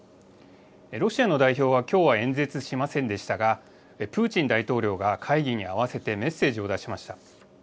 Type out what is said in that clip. ロシアの代表はきょうは演説しませんでしたが、プーチン大統領が会議にあわせてメッセージを出しました。